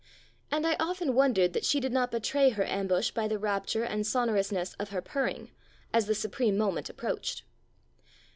And I often wondered that she did not betray her ambush by the rapture and sonor ousness of her purring, as the supreme moment approached.